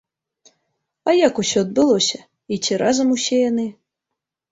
А як усё адбылося і ці разам усе яны?